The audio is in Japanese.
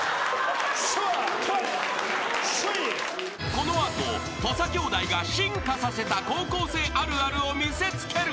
［この後土佐兄弟が進化させた高校生あるあるを見せつける］